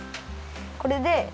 これで。